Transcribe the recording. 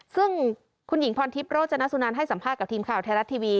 ซึ่งคุณหญิงพรทิพย์โรจนสุนันให้สัมภาษณ์กับทีมข่าวไทยรัฐทีวี